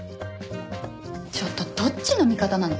ちょっとどっちの味方なの？